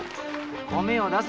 米をだせ！